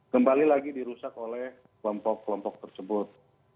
kembali lagi dirusak oleh kelompok kelompok tersebut